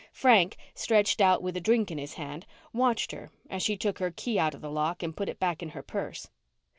Frank, stretched out with a drink in his hand, watched her as she took her key out of the lock and put it back in her purse.